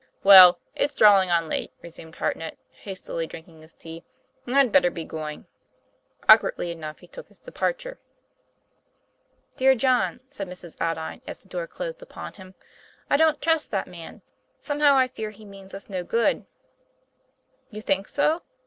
"Well, it's drawing on late," resumed Hartnett, hastily drinking his tea, "and I'd better be going." Awkwardly enough he took his departure. " Dear John," said Mrs. Aldine, as the door closed upon him, " I don't trust that man. Somehow I fear he means us no good." "You think so?"